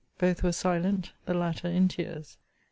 Both were silent. The latter in tears.